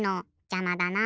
じゃまだな。